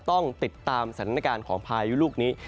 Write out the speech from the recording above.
ต้องติดตามสถานการณ์ของพายุลูกนี้